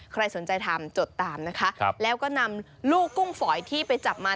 ใครสนใจทำจดตามนะคะแล้วก็นำลูกกุ้งฝอยที่ไปจับมา